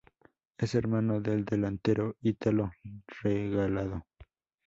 Es hermano del delantero Ítalo Regalado.